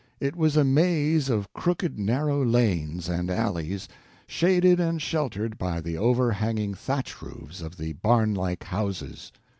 It was a maze of crooked, narrow lanes and alleys shaded and sheltered by the overhanging thatch roofs of the barnlike houses.